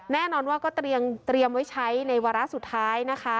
แน่นอนว่าก็เตรียมไว้ใช้ในวาระสุดท้ายนะคะ